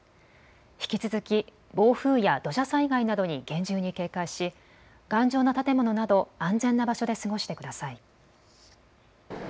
引き続き暴風や土砂災害などに厳重に警戒し頑丈な建物など安全な場所で過ごしてください。